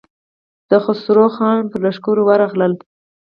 د خسرو خان پر لښکر ورغلل.